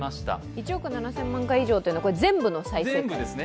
１億７０００万回以上というのは全部の動画で？